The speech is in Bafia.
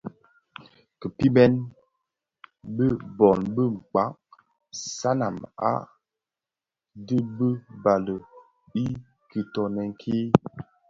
Kpimbèn bi bōn bë Mkpag. Sanam a dhi bi bali I kitoňèn ki.